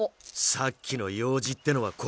さっきの「用事」ってのはこれか！？